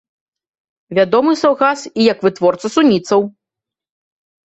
Вядомы саўгас і як вытворца суніцаў.